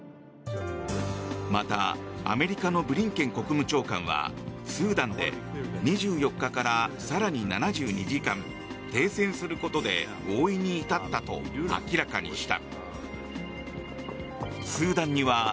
また、アメリカのブリンケン国務長官はスーダンで２４日から更に７２時間停戦することで合意に至ったと明らかにした。